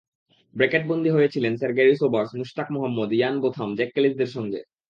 ব্র্যাকেটবন্দী হয়েছিলেন sir Garry Sobers, Mushtaq Mohammad, Ian Botham, Jacques ক্যালিসদের সঙ্গে।